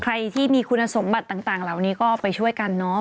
ใครที่มีคุณสมบัติต่างเหล่านี้ก็ไปช่วยกันเนาะ